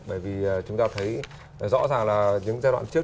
bởi vì chúng ta thấy rõ ràng là những giai đoạn trước